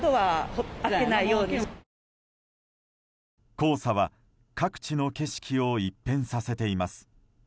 黄砂は各地の景色を一変させています。